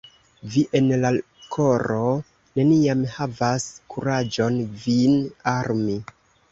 Vi en la koro neniam havas kuraĝon vin armi.